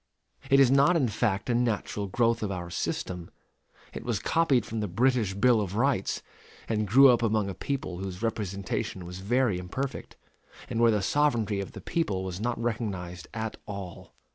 _ It is not in fact a natural growth of our system. It was copied from the British Bill of Rights, and grew up among a people whose representation was very imperfect, and where the sovereignty of the people was not recognized at all.